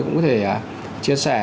cũng có thể chia sẻ